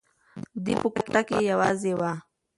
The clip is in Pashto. دی په کوټه کې یوازې و.